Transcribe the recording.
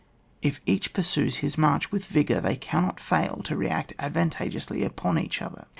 If each pursues his march with vigour, they cannot fail to react advantageously upon each other.